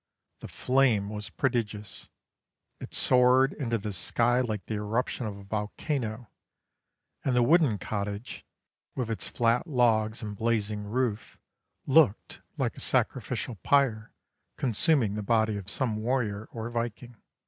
The flame was prodigious: it soared into the sky like the eruption of a volcano, and the wooden cottage, with its flat logs and blazing roof, looked like a sacrificial pyre consuming the body of some warrior or Viking.